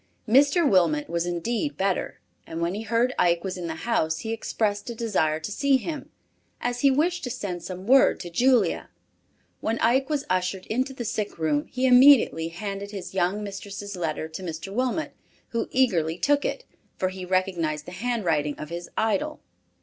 Mr. Wilmot was indeed better and when he heard Ike was in the house he expressed a desire to see him, as he wished to send some word to Julia. When Ike was ushered into the sick room, he immediately handed his young mistress' letter to Mr. Wilmot, who eagerly took it, for he recognized the handwriting of his idol.